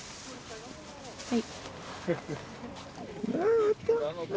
はい。